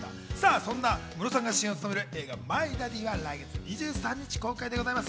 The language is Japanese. そんなムロさんが主演を務める映画『マイ・ダディ』は来月２３日公開です。